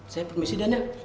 saya permisi den ya